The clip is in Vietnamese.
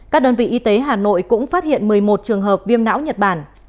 các đơn vị y tế hà nội cũng phát hiện một mươi một trường hợp viêm não nhật bản